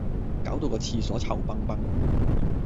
攪到個廁所臭崩崩